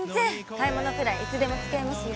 買い物くらいいつでも付き合いますよ。